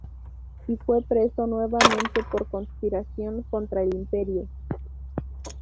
Y fue preso nuevamente por conspiración contra el imperio.